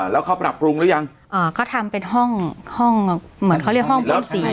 แล้วเขาปรับปรุงหรือยังก็ทำเป็นห้องห้องเหมือนเขาเรียกห้องโปรดสี